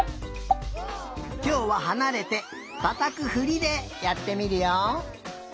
きょうははなれてたたくふりでやってみるよ。